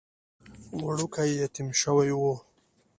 وړوکی يتيم شوی و.